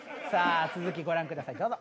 続きご覧ください